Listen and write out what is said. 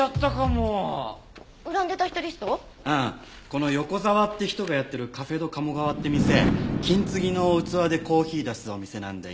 この横澤って人がやってるカフェ・ド・鴨川って店金継ぎの器でコーヒー出すお店なんだよ。